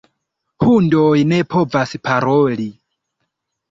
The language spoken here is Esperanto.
Hundoj ne povas paroli.